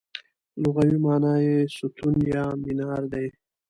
لغوي مانا یې ستون یا مینار دی.